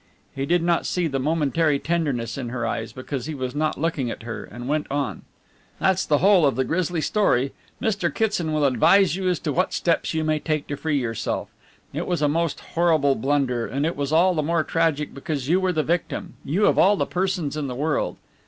He did not see the momentary tenderness in her eyes, because he was not looking at her, and went on: "That's the whole of the grisly story. Mr. Kitson will advise you as to what steps you may take to free yourself. It was a most horrible blunder, and it was all the more tragic because you were the victim, you of all the persons in the world!"